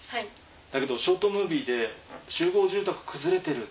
だけどショートムービーで集合住宅崩れてる。